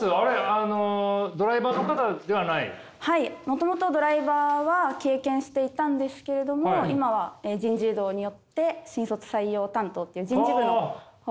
もともとドライバーは経験していたんですけれども今は人事異動によって新卒採用担当っていう人事部の方で。